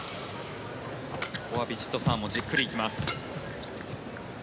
ここはヴィチットサーンもじっくり行きます。